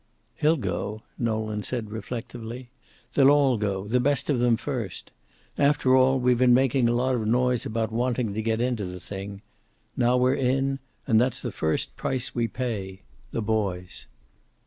"He'll go," Nolan said reflectively. "They'll all go, the best of them first. After all, we've been making a lot of noise about wanting to get into the thing. Now we're in, and that's the first price we pay the boys."